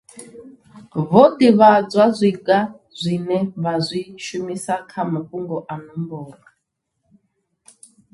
Vho ḓivhadzwa zwiga zwine vha zwi shumisa kha mafhungo a nomboro.